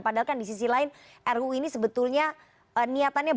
padahal kan di sisi lain ru ini sebetulnya niatannya